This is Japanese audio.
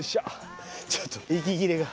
ちょっと息切れが。